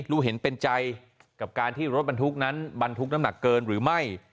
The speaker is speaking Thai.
รู้เห็นเป็นใจกับการที่รถบรรทุกนั้นบรรทุกน้ำหนักเกินหรือไม่